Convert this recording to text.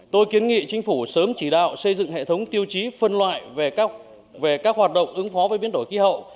tôi kiến nghị chính phủ sớm chỉ đạo xây dựng hệ thống tiêu chí phân loại về các hoạt động ứng phó với biến đổi khí hậu